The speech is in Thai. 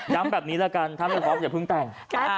แบบนี้ละกันถ้าไม่พร้อมอย่าเพิ่งแต่ง